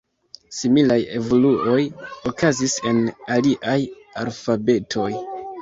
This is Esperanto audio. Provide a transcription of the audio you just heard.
Similaj evoluoj okazis en aliaj alfabetoj.